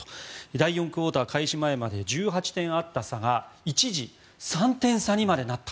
第４クオーター開始前まで１８点あった差が一時、３点差にまでなった。